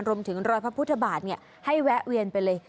รอยพระพุทธบาทให้แวะเวียนไปเลย